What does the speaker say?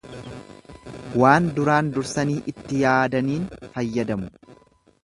Waan duraan dursanii itti yaadaniin fayyadamu.